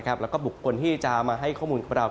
แล้วก็บุคคลที่จะมาให้ข้อมูลกับเรา